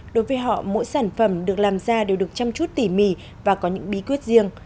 đối với họ mỗi sản phẩm được làm ra đều được chăm chút tỉ mỉ và có những bí quyết riêng